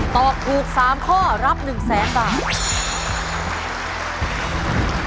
ตอบถูก๓ข้อรับ๑๐๐๐๐๐บาท